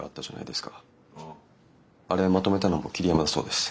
あれをまとめたのも桐山だそうです。